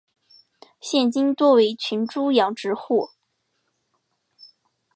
现今多为群猪养殖户。